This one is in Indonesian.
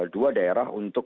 dua daerah untuk